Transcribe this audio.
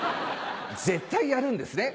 絶対やるんですね。